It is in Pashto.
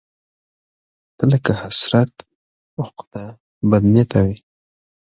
ته لکه حسرت، عقده، بدنيته وې